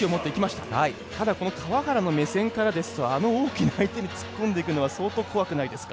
ただ、川原の目線ですとあの大きな相手に突っ込んでいくのは相当怖くないですか。